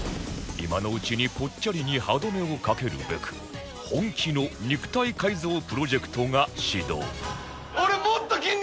今のうちにポッチャリに歯止めをかけるべく本気の肉体改造プロジェクトが始動